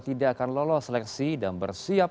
tidak akan lolos seleksi dan bersiap